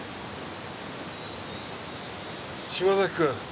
島崎くん。